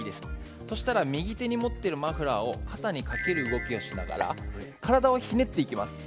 右手に持っているマフラーを肩にかける動きをしながら体をひねっていきます。